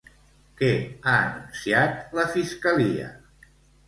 Què ha anunciat la fiscalia?